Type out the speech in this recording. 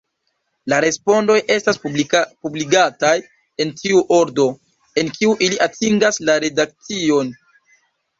La respondoj estas publikigataj en tiu ordo, en kiu ili atingas la redakcion.